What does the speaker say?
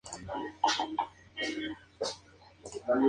Referencias de la tabla.